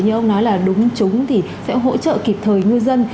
như ông nói là đúng trúng thì sẽ hỗ trợ kịp thời ngư dân